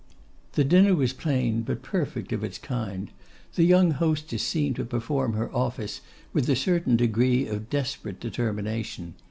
The dinner was plain, but perfect of its kind. The young hostess seemed to perform her office with a certain degree of desperate determination.